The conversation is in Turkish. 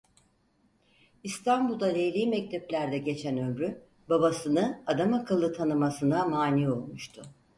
İstanbul’da leyli mekteplerde geçen ömrü, babasını adamakıllı tanımasına mâni olmuştu.